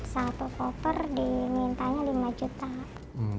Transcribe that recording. satu koper dimintanya lima juta